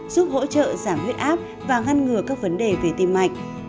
giúp hỗ trợ giảm huyết áp và ngăn ngừa các vấn đề về tim mạch